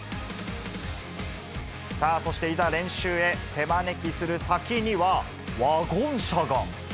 さあ、そしていざ、練習ヘ、手招きする先には、ワゴン車が。